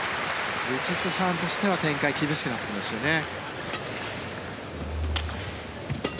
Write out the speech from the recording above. ヴィチットサーンとしては展開厳しくなってきましたよね。